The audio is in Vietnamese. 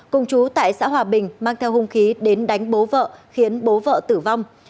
cùng chú tại xã hòa bình mang theo hung khí đến đánh bố vợ khiến bố vợ tử vong